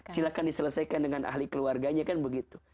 silahkan diselesaikan dengan ahli keluarganya kan begitu